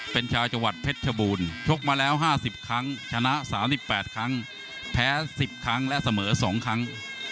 เป็นชาวจังหวัดเพชรชบูรณ์ชกมาแล้ว๕๐ครั้งชนะ๓๘ครั้งแพ้๑๐ครั้งและเสมอ๒ครั้ง